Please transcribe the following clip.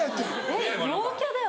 えっ陽キャだよね？